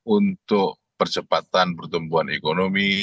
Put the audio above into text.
untuk percepatan pertumbuhan ekonomi